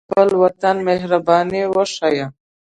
مېلمه ته د خپل وطن مهرباني وښیه.